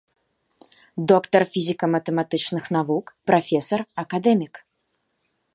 Доктар фізіка-матэматычных навук, прафесар, акадэмік.